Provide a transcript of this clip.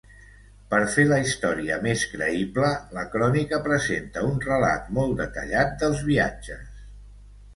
Per fer la història més creïble, la crònica presenta un relat molt detallat dels viatges.